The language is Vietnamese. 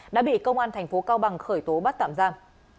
đã bị công an thành phố cao bằng khởi tố bắt tạm giam